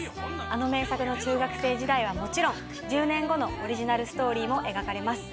あの名作の中学生時代はもちろん１０年後のオリジナルストーリーも描かれます。